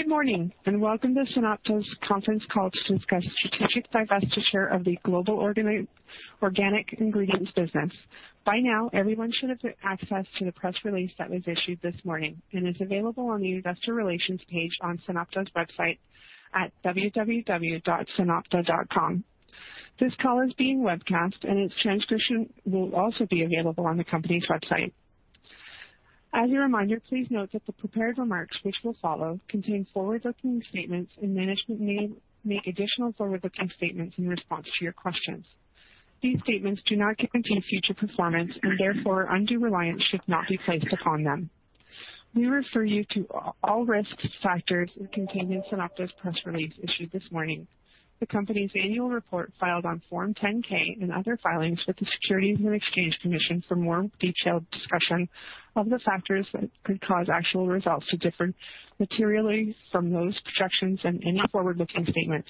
Good morning. Welcome to SunOpta's conference call to discuss strategic divestiture of the global organic ingredients business. By now, everyone should have access to the press release that was issued this morning and is available on the Investor Relations page on SunOpta's website at www.sunopta.com. This call is being webcast and its transcription will also be available on the company's website. As a reminder, please note that the prepared remarks which will follow contain forward-looking statements. Management may make additional forward-looking statements in response to your questions. These statements do not guarantee future performance. Therefore, undue reliance should not be placed upon them. We refer you to all risk factors contained in SunOpta's press release issued this morning, the company's annual report filed on Form 10-K and other filings with the Securities and Exchange Commission for more detailed discussion of the factors that could cause actual results to differ materially from those projections and any forward-looking statements.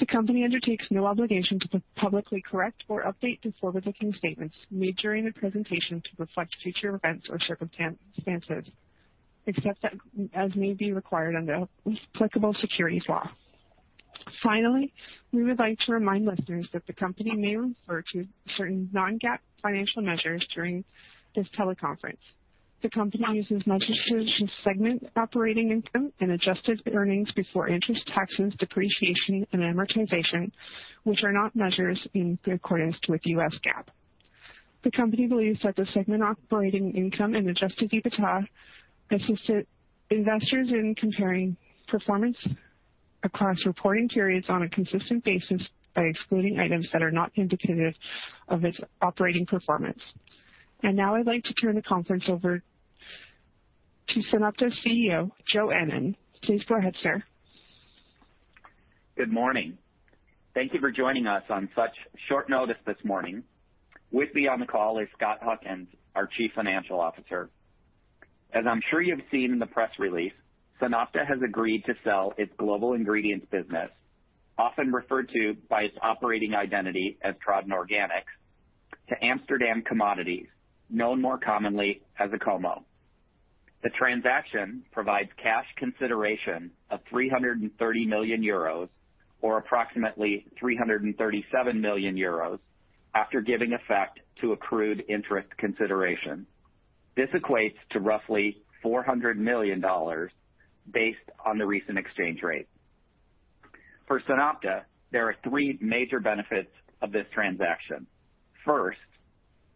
The company undertakes no obligation to publicly correct or update the forward-looking statements made during the presentation to reflect future events or circumstances, except as may be required under applicable securities law. Finally, we would like to remind listeners that the company may refer to certain non-GAAP financial measures during this teleconference. The company uses measures such as segment operating income and adjusted earnings before interest, taxes, depreciation, and amortization, which are not measures in accordance with US GAAP. The company believes that the segment operating income and adjusted EBITDA assisted investors in comparing performance across reporting periods on a consistent basis by excluding items that are not indicative of its operating performance. Now I'd like to turn the conference over to SunOpta's CEO, Joe Ennen. Please go ahead, sir. Good morning. Thank you for joining us on such short notice this morning. With me on the call is Scott Huckins, our Chief Financial Officer. As I'm sure you've seen in the press release, SunOpta has agreed to sell its global ingredients business, often referred to by its operating identity as Tradin Organic, to Amsterdam Commodities, known more commonly as ACOMO. The transaction provides cash consideration of 330 million euros or approximately 337 million euros after giving effect to accrued interest consideration. This equates to roughly $400 million based on the recent exchange rate. For SunOpta, there are three major benefits of this transaction. First,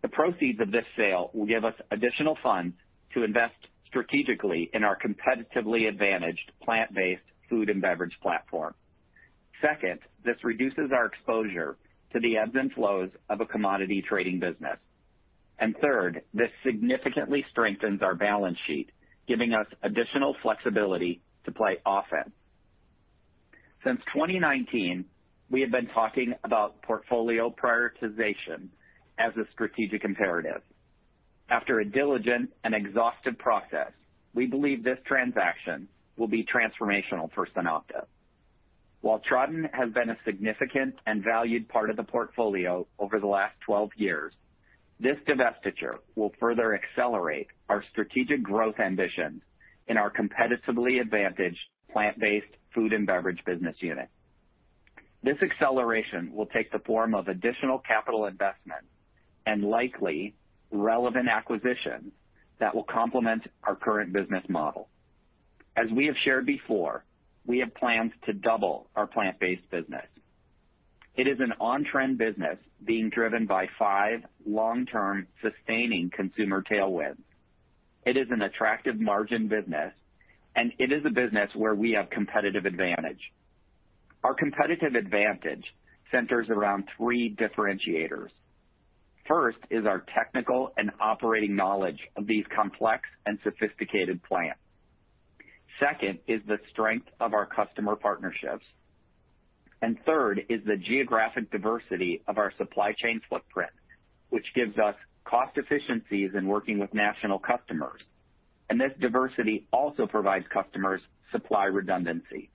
the proceeds of this sale will give us additional funds to invest strategically in our competitively advantaged plant-based food and beverage platform. Second, this reduces our exposure to the ebbs and flows of a commodity trading business. Third, this significantly strengthens our balance sheet, giving us additional flexibility to play offense. Since 2019, we have been talking about portfolio prioritization as a strategic imperative. After a diligent and exhaustive process, we believe this transaction will be transformational for SunOpta. While Tradin has been a significant and valued part of the portfolio over the last 12 years, this divestiture will further accelerate our strategic growth ambitions in our competitively advantaged plant-based food and beverage business unit. This acceleration will take the form of additional capital investment and likely relevant acquisitions that will complement our current business model. As we have shared before, we have plans to double our plant-based business. It is an on-trend business being driven by five long-term sustaining consumer tailwinds. It is an attractive margin business, and it is a business where we have competitive advantage. Our competitive advantage centers around three differentiators. First is our technical and operating knowledge of these complex and sophisticated plants. Second is the strength of our customer partnerships. Third is the geographic diversity of our supply chain footprint, which gives us cost efficiencies in working with national customers. This diversity also provides customers supply redundancy.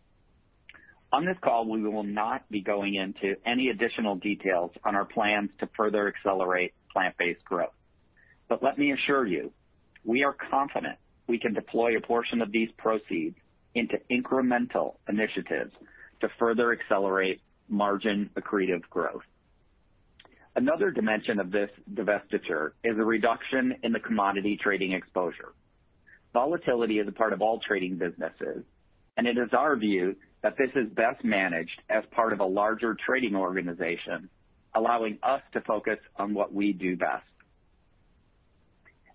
On this call, we will not be going into any additional details on our plans to further accelerate plant-based growth. Let me assure you, we are confident we can deploy a portion of these proceeds into incremental initiatives to further accelerate margin-accretive growth. Another dimension of this divestiture is a reduction in the commodity trading exposure. Volatility is a part of all trading businesses, and it is our view that this is best managed as part of a larger trading organization, allowing us to focus on what we do best.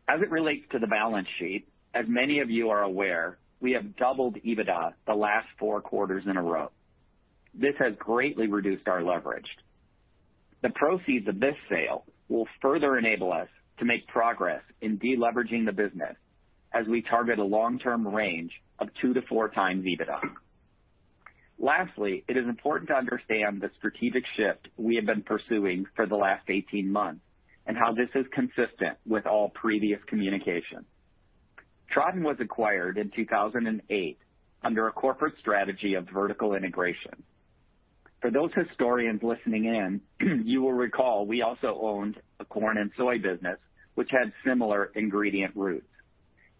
As it relates to the balance sheet, as many of you are aware, we have doubled EBITDA the last four quarters in a row. This has greatly reduced our leverage. The proceeds of this sale will further enable us to make progress in de-leveraging the business as we target a long-term range of 2x to 4x EBITDA. Lastly, it is important to understand the strategic shift we have been pursuing for the last 18 months and how this is consistent with all previous communication. Tradin was acquired in 2008 under a corporate strategy of vertical integration. For those historians listening in, you will recall we also owned a corn and soy business which had similar ingredient roots.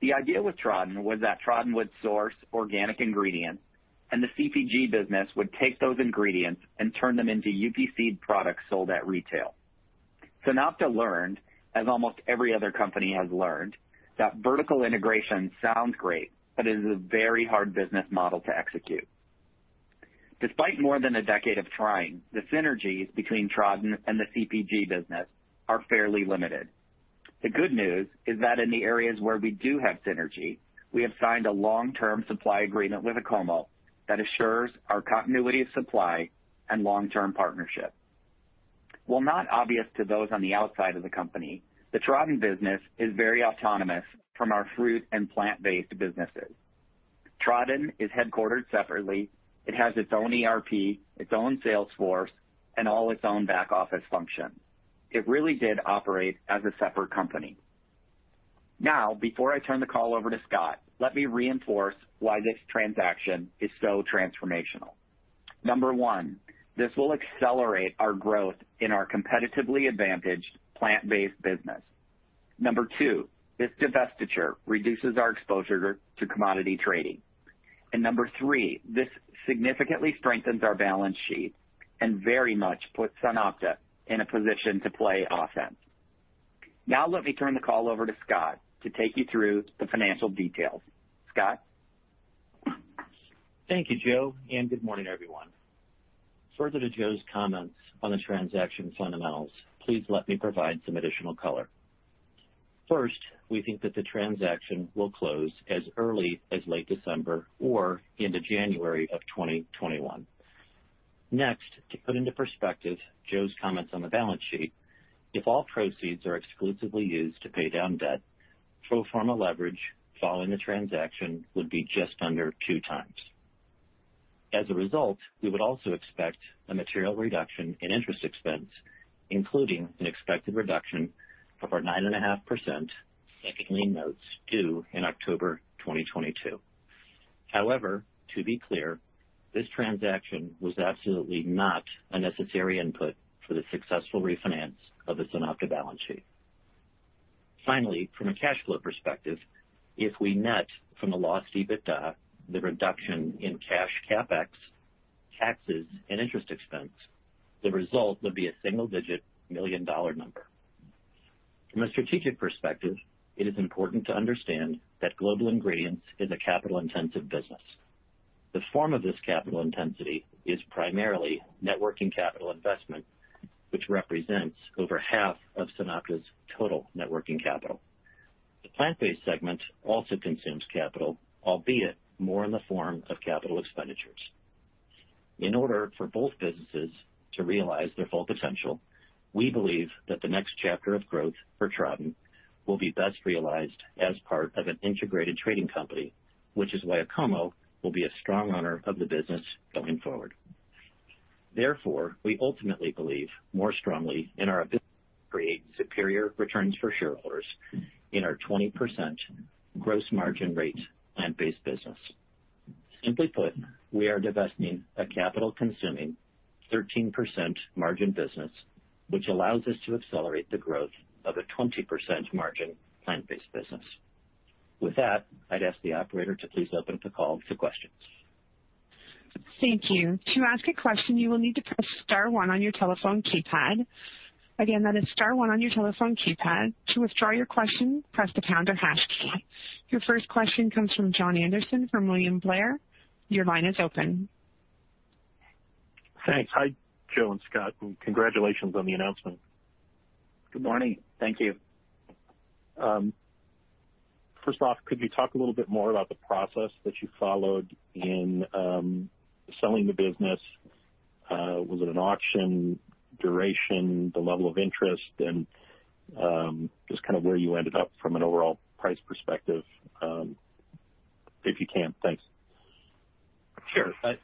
The idea with Tradin was that Tradin would source organic ingredients, and the CPG business would take those ingredients and turn them into UPC products sold at retail. SunOpta learned, as almost every other company has learned, that vertical integration sounds great, but it is a very hard business model to execute. Despite more than a decade of trying, the synergies between Tradin and the CPG business are fairly limited. The good news is that in the areas where we do have synergy, we have signed a long-term supply agreement with ACOMO that assures our continuity of supply and long-term partnership. While not obvious to those on the outside of the company, the Tradin business is very autonomous from our fruit and plant-based businesses. Tradin is headquartered separately. It has its own ERP, its own sales force, and all its own back-office function. It really did operate as a separate company. Before I turn the call over to Scott, let me reinforce why this transaction is so transformational. Number one, this will accelerate our growth in our competitively advantaged plant-based business. Number two, this divestiture reduces our exposure to commodity trading. Number three, this significantly strengthens our balance sheet and very much puts SunOpta in a position to play offense. Now let me turn the call over to Scott to take you through the financial details. Scott? Thank you, Joe and good morning, everyone. Further to Joe's comments on the transaction fundamentals, please let me provide some additional color. First, we think that the transaction will close as early as late December or into January of 2021. Next, to put into perspective Joe's comments on the balance sheet, if all proceeds are exclusively used to pay down debt, pro forma leverage following the transaction would be just under 2x. As a result, we would also expect a material reduction in interest expense, including an expected reduction of our 9.5% second lien notes due in October 2022. However, to be clear, this transaction was absolutely not a necessary input for the successful refinance of the SunOpta balance sheet. Finally, from a cash flow perspective, if we net from the lost EBITDA the reduction in cash CapEx, taxes, and interest expense, the result would be a single digit million-dollar number. From a strategic perspective, it is important to understand that Global Ingredients is a capital-intensive business. The form of this capital intensity is primarily net working capital investment, which represents over half of SunOpta's total net working capital. The plant-based segment also consumes capital, albeit more in the form of capital expenditures. In order for both businesses to realize their full potential, we believe that the next chapter of growth for Tradin will be best realized as part of an integrated trading company, which is why ACOMO will be a strong owner of the business going forward. Therefore, we ultimately believe more strongly in our ability to create superior returns for shareholders in our 20% gross margin rate plant-based business. Simply put, we are divesting a capital-consuming 13% margin business, which allows us to accelerate the growth of a 20% margin plant-based business. With that, I'd ask the operator to please open up the call to questions. Thank you. To ask a question, you will need to press star one on your telephone keypad. Again, that is star one on your telephone keypad. To withdraw your question, press the pound or hash key. Your first question comes from Jon Andersen from William Blair. Your line is open. Thanks. Hi, Joe and Scott, and congratulations on the announcement. Good morning. Thank you. First off, could you talk a little bit more about the process that you followed in selling the business? Was it an auction, duration, the level of interest, and just kind of where you ended up from an overall price perspective? If you can. Thanks. Sure.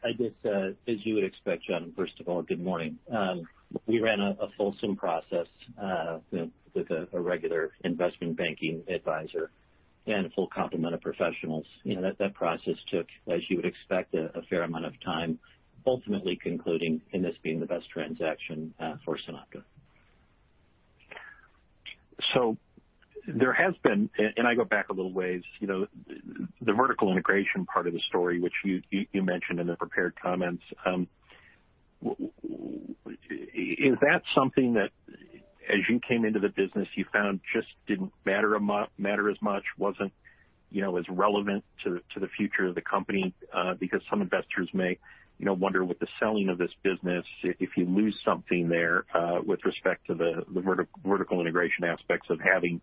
As you would expect, Jon, first of all, good morning. We ran a full CIM process with a regular investment banking advisor and a full complement of professionals. That process took, as you would expect, a fair amount of time, ultimately concluding in this being the best transaction for SunOpta. There has been, and I go back a little ways, the vertical integration part of the story, which you mentioned in the prepared comments. Is that something that as you came into the business you found just didn't matter as much, wasn't as relevant to the future of the company? Some investors may wonder with the selling of this business if you lose something there with respect to the vertical integration aspects of having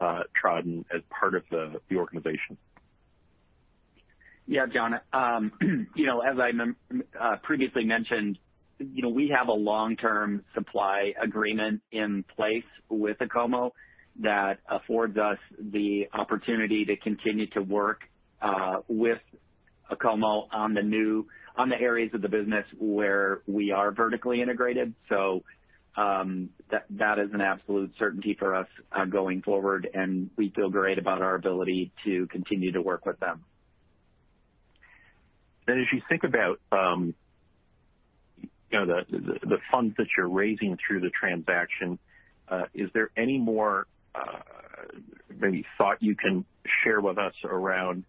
Tradin as part of the organization. Yeah, Jon. As I previously mentioned, we have a long-term supply agreement in place with ACOMO that affords us the opportunity to continue to work with ACOMO on the areas of the business where we are vertically integrated. That is an absolute certainty for us going forward, and we feel great about our ability to continue to work with them. As you think about the funds that you're raising through the transaction, is there any more maybe thought you can share with us around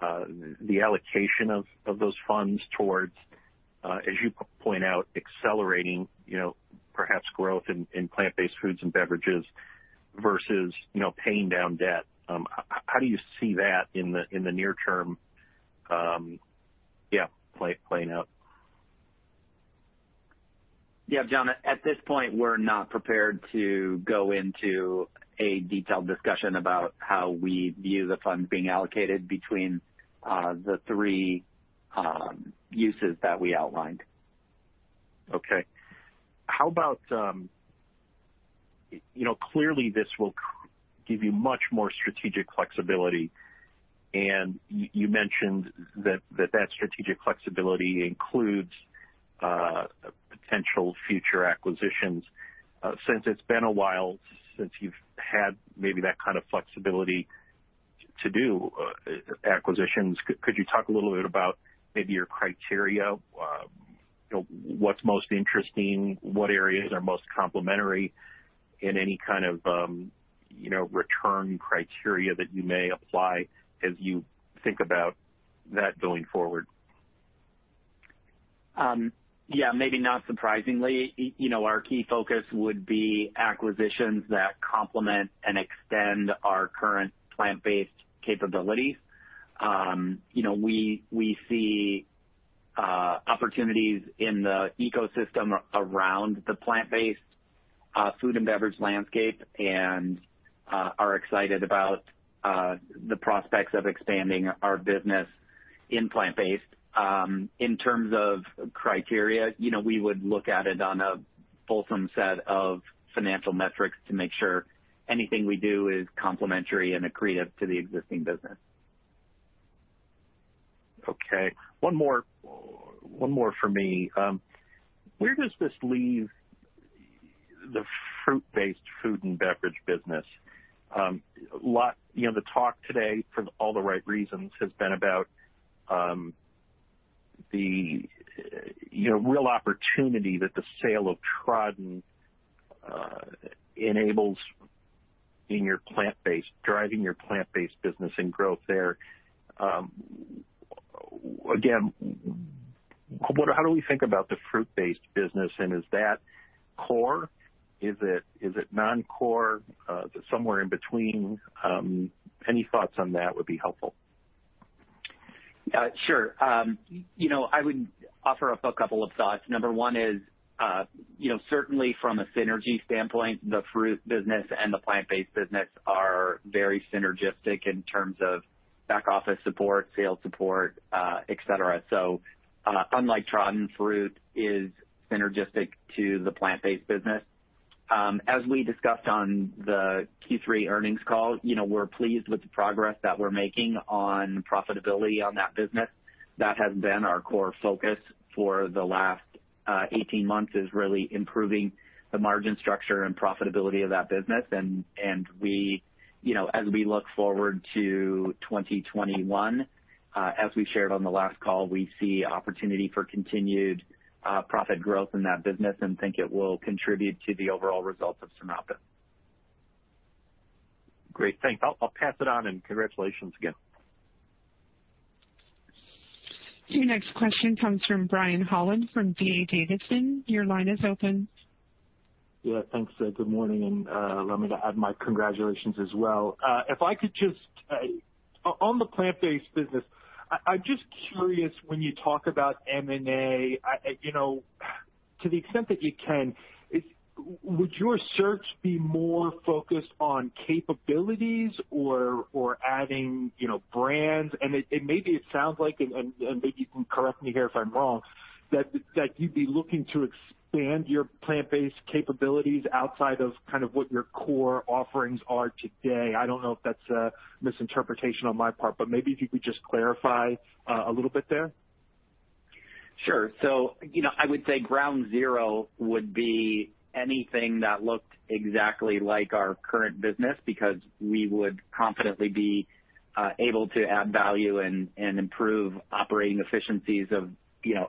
the allocation of those funds towards, as you point out, accelerating perhaps growth in plant-based foods and beverages versus paying down debt? How do you see that in the near term playing out? Yeah, Jon, at this point, we're not prepared to go into a detailed discussion about how we view the funds being allocated between the three uses that we outlined. Okay. Clearly, this will give you much more strategic flexibility, and you mentioned that that strategic flexibility includes potential future acquisitions. Since it's been a while since you've had maybe that kind of flexibility to do acquisitions, could you talk a little bit about maybe your criteria? What's most interesting? What areas are most complementary? Any kind of return criteria that you may apply as you think about that going forward. Maybe not surprisingly, our key focus would be acquisitions that complement and extend our current plant-based capabilities. We see opportunities in the ecosystem around the plant-based food and beverage landscape and are excited about the prospects of expanding our business in plant-based. In terms of criteria, we would look at it on a fulsome set of financial metrics to make sure anything we do is complementary and accretive to the existing business. Okay. One more from me. Where does this leave the fruit-based food and beverage business? The talk today, for all the right reasons, has been about the real opportunity that the sale of Tradin enables in driving your plant-based business and growth there. How do we think about the fruit-based business, and is that core? Is it non-core? Is it somewhere in between? Any thoughts on that would be helpful. Sure. I would offer up a couple of thoughts. Number one is certainly from a synergy standpoint, the fruit business and the plant-based business are very synergistic in terms of back-office support, sales support, et cetera. Unlike Tradin, fruit is synergistic to the plant-based business. As we discussed on the Q3 earnings call, we're pleased with the progress that we're making on profitability on that business. That has been our core focus for the last 18 months, is really improving the margin structure and profitability of that business. As we look forward to 2021, as we shared on the last call, we see opportunity for continued profit growth in that business and think it will contribute to the overall results of SunOpta. Great. Thanks. I'll pass it on, and congratulations again. Your next question comes from Brian Holland from D.A. Davidson. Your line is open. Yeah, thanks. Good morning and allow me to add my congratulations as well. On the plant-based business, I'm just curious when you talk about M&A, to the extent that you can, would your search be more focused on capabilities or adding brands? Maybe it sounds like, and maybe you can correct me here if I'm wrong, that you'd be looking to expand your plant-based capabilities outside of kind of what your core offerings are today. I don't know if that's a misinterpretation on my part, but maybe if you could just clarify a little bit there. Sure. I would say ground zero would be anything that looked exactly like our current business because we would confidently be able to add value and improve operating efficiencies of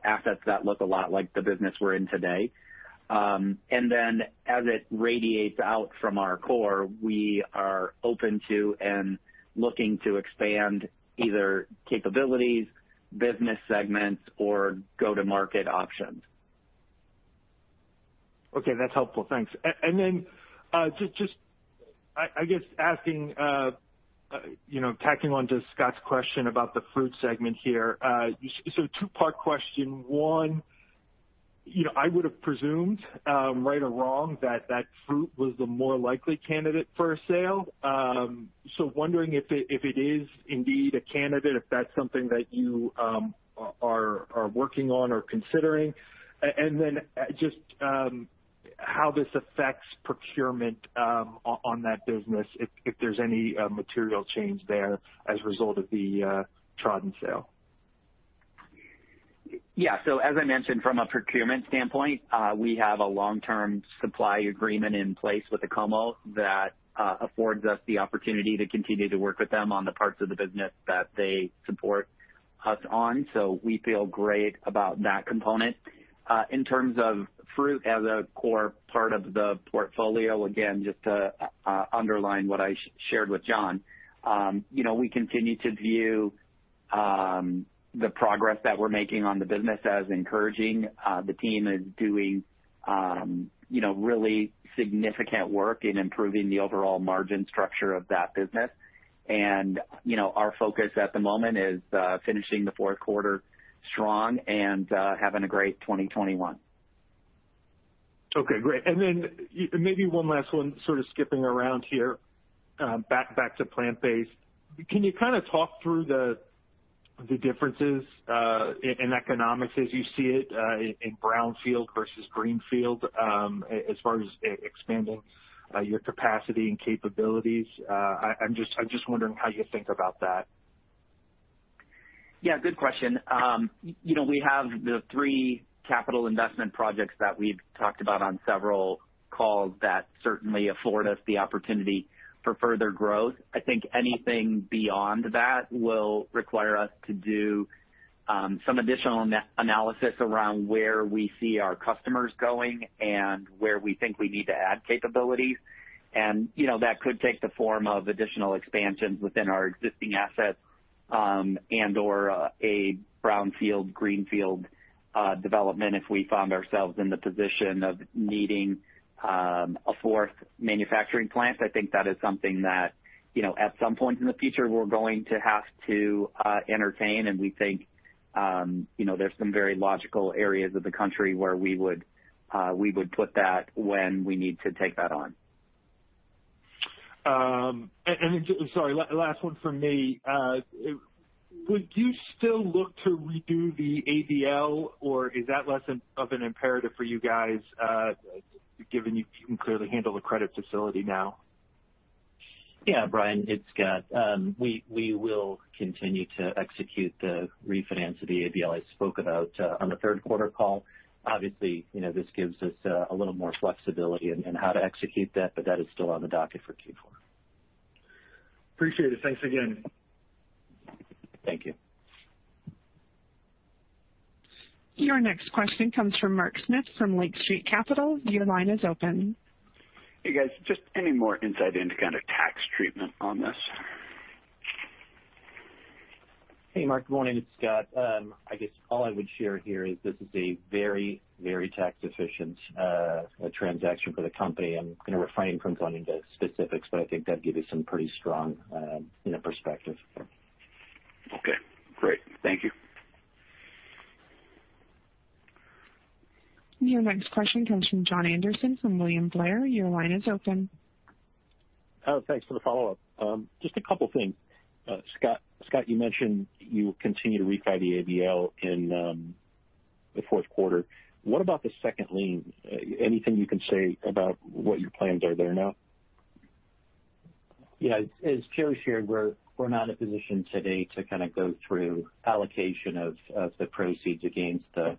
assets that look a lot like the business we're in today. Then as it radiates out from our core, we are open to and looking to expand either capabilities, business segments, or go-to-market options. Okay. That's helpful. Thanks. Just, I guess tacking onto Scott's question about the fruit segment here. Two-part question. One, I would've presumed, right or wrong, that fruit was the more likely candidate for a sale. Wondering if it is indeed a candidate, if that's something that you are working on or considering. Just how this affects procurement on that business, if there's any material change there as a result of the Tradin sale. Yeah. As I mentioned, from a procurement standpoint, we have a long-term supply agreement in place with ACOMO that affords us the opportunity to continue to work with them on the parts of the business that they support us on. We feel great about that component. In terms of fruit as a core part of the portfolio, again, just to underline what I shared with Jon. We continue to view the progress that we're making on the business as encouraging. The team is doing really significant work in improving the overall margin structure of that business. Our focus at the moment is finishing the fourth quarter strong and having a great 2021. Okay, great. Then maybe one last one sort of skipping around here. Back to plant-based. Can you kind of talk through the differences in economics as you see it in brownfield versus greenfield as far as expanding your capacity and capabilities? I'm just wondering how you think about that. Yeah, good question. We have the three capital investment projects that we've talked about on several calls that certainly afford us the opportunity for further growth. I think anything beyond that will require us to do some additional analysis around where we see our customers going and where we think we need to add capabilities. That could take the form of additional expansions within our existing assets and/or a brownfield, greenfield development if we found ourselves in the position of needing a fourth manufacturing plant. I think that is something that at some point in the future, we're going to have to entertain, and we think there's some very logical areas of the country where we would put that when we need to take that on. Sorry, last one from me. Would you still look to redo the ABL or is that less of an imperative for you guys given you can clearly handle the credit facility now? Yeah, Brian, it's Scott. We will continue to execute the refinance of the ABL I spoke about on the third quarter call. Obviously, this gives us a little more flexibility in how to execute that, but that is still on the docket for Q4. Appreciate it. Thanks again. Thank you. Your next question comes from Mark Smith from Lake Street Capital. Your line is open. Hey, guys. Just any more insight into kind of tax treatment on this? Hey, Mark. Good morning. It's Scott. I guess all I would share here is this is a very tax efficient transaction for the company. I'm going to refrain from going into specifics, but I think that gives you some pretty strong perspective there. Okay, great. Thank you. Your next question comes from Jon Andersen from William Blair. Your line is open. Oh, thanks for the follow-up. Just a couple things. Scott, you mentioned you will continue to refi the ABL in the fourth quarter. What about the second lien? Anything you can say about what your plans are there now? Yeah. As Kerry shared, we're not in a position today to kind of go through allocation of the proceeds against the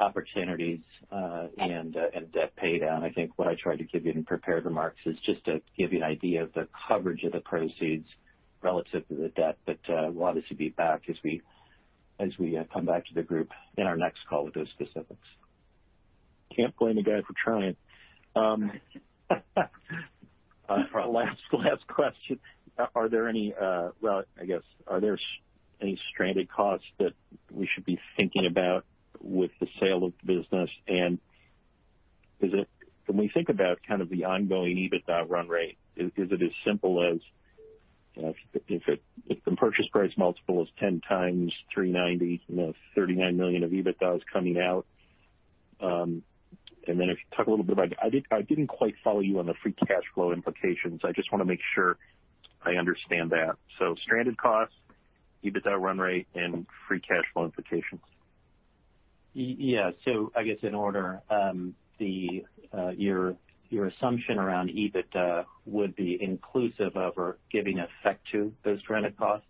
opportunities and debt pay down. I think what I tried to give you in prepared remarks is just to give you an idea of the coverage of the proceeds relative to the debt. We'll obviously be back as we come back to the group in our next call with those specifics. Can't blame a guy for trying. Last question. Are there any stranded costs that we should be thinking about with the sale of the business? When we think about kind of the ongoing EBITDA run rate, is it as simple as if the purchase price multiple is 10x $390 million, $39 million of EBITDA is coming out? If you could talk a little bit about, I didn't quite follow you on the free cash flow implications. I just want to make sure I understand that. Stranded costs, EBITDA run rate, and free cash flow implications. I guess in order, your assumption around EBITDA would be inclusive of or giving effect to those stranded costs.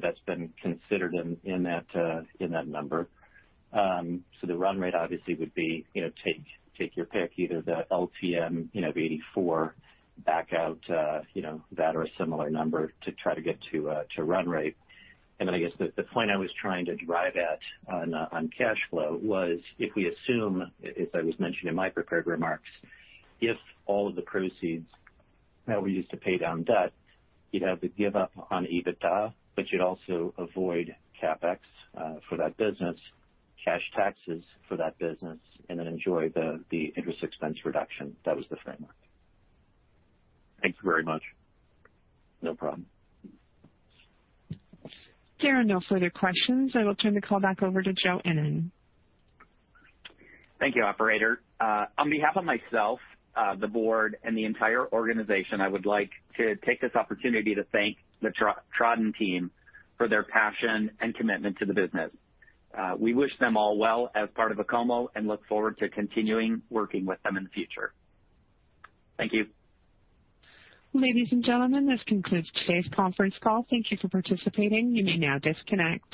That's been considered in that number. The run rate obviously would be take your pick, either the LTM of $84 back out that or a similar number to try to get to run rate. I guess the point I was trying to drive at on cash flow was if we assume, as I was mentioning in my prepared remarks, if all of the proceeds that were used to pay down debt, you'd have the give up on EBITDA, but you'd also avoid CapEx for that business, cash taxes for that business, and then enjoy the interest expense reduction. That was the framework. Thank you very much. No problem. There are no further questions. I will turn the call back over to Joe Ennen. Thank you, operator. On behalf of myself, the board, and the entire organization, I would like to take this opportunity to thank the Tradin team for their passion and commitment to the business. We wish them all well as part of ACOMO and look forward to continuing working with them in the future. Thank you. Ladies and gentlemen, this concludes today's conference call. Thank you for participating. You may now disconnect.